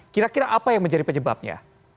kira kira apa yang menjadi penyebabnya